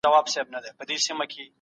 اسلام د انساني کرامت د ساهمېشهو دین دی.